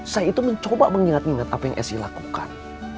saya itu mencoba mengingat ingat apa yang esy lakukan